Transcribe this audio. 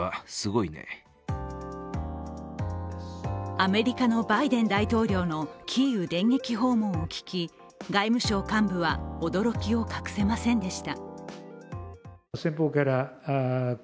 アメリカのバイデン大統領のキーウ電撃訪問を聞き外務省幹部は驚きを隠せませんでした。